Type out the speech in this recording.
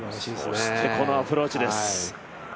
そしてこのアプローチです。